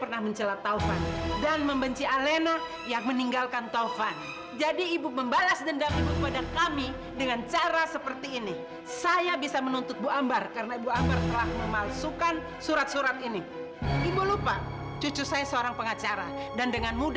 lagian eyang kamu ini memang lancang